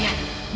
lihat buka mandi